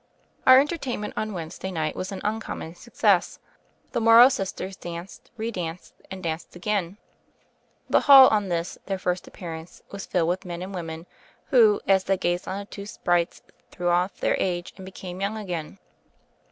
Our entertainment on Wednesday night was an uncommon success. The Morrow Sisters danced, re danced, and danced again. The hall on this, their first appearance, was filled with men and women, who, as they gazed on the two sprites, threw off their age and became young again.